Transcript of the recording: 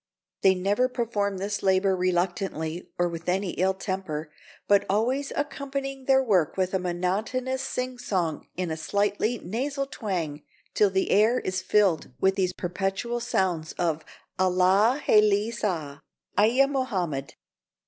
They never perform this labor reluctantly, or with any ill temper, but always accompanying their work with a monotonous sing song in a slightly nasal twang, till the air is filled with these perpetual sounds of "Allah, haylee sah. Eiya Mohammed."